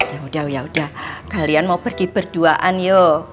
ya udah ya udah kalian mau pergi berduaan yuk